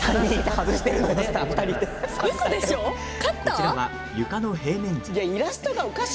こちらは床の平面図。